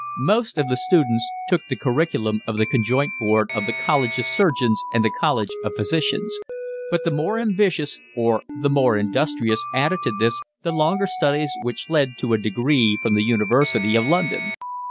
Most of the students took the curriculum of the Conjoint Board of the College of Surgeons and the College of Physicians; but the more ambitious or the more industrious added to this the longer studies which led to a degree from the University of London.